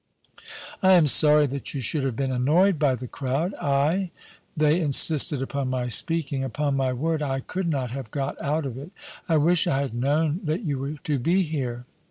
* I am sorry that you should have been annoyed by the crowd I — they insisted upon my speaking — upon my word I could not have got out of it I wish I had known that you were to be here.'